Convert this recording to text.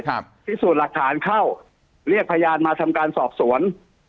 พิสูจน์หลักฐานเข้าเรียกพยานมาทำการสอบสวน